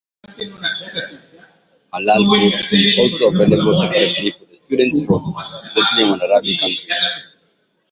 Halal food is also available separately for the students from Muslim and Arabic countries.